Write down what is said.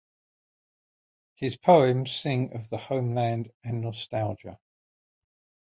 His poems sing of the homeland and nostalgia.